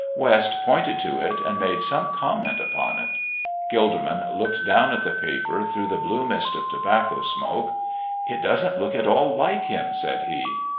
West pointed to it and made some comment upon it. Gilderman looked down at the paper through the blue mist of tobacco smoke. "It doesn't look at all like Him," said he.